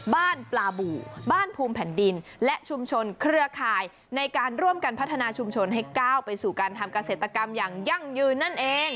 บ้านปลาบูบ้านภูมิแผ่นดินและชุมชนเครือข่ายในการร่วมกันพัฒนาชุมชนให้ก้าวไปสู่การทำเกษตรกรรมอย่างยั่งยืนนั่นเอง